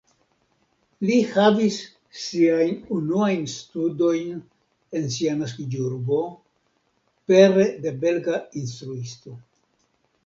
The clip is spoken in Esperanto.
Li havis siajn unuajn studojn en sia naskiĝurbo, pere de belga instruisto.